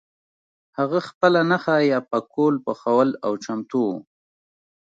هغه خپله نښه یا پکول پخول او چمتو وو.